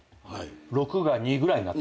６が２ぐらいになった。